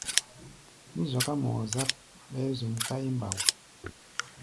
Mí zɔká mɔɔ-záp, ɓɛɛ́ zuʼm káí mbao.